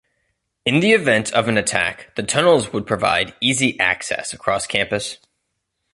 In the event of an attack, the tunnels would provide easy access across campus.